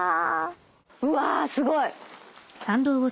うわすごい。